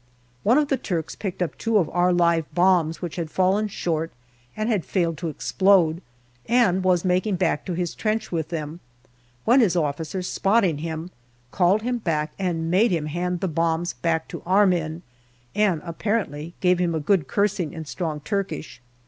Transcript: One of the Turks picked up two of our live bombs which had fallen short and had failed to explode, and was making back to his trench with them, when his officer, spotting him, called him back and made him hand the bombs back to our men, and apparently gave him a good cursing in strong Turkish.